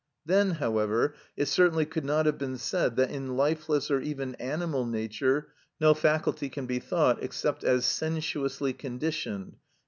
Then, however, it certainly could not have been said that in lifeless or even animal nature no faculty can be thought except as sensuously conditioned (p.